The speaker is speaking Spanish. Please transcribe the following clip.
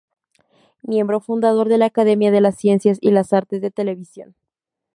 Miembro fundador de la Academia de las Ciencias y las Artes de Televisión.